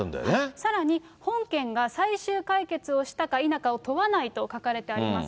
さらには、最終解決をしたか否かを問わないと書かれてあります。